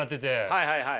はいはいはい。